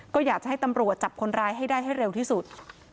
ก็อยากจะให้ตำรวจจับคนร้ายให้ได้ให้เร็วที่สุด